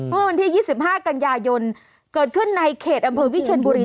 เมื่อวันที่๒๕กันยายนเกิดขึ้นในเขตอำเภอวิเชียนบุรี